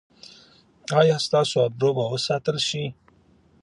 ایا ستاسو ابرو به وساتل شي؟